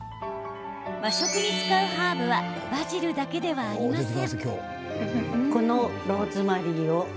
和食に使うハーブはバジルだけではありません。